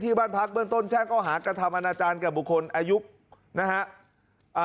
ที่บ้านพักเมืองต้นแช่งเข้าหากระทำอาณาจารย์กับบุคคลอายุนะฮะ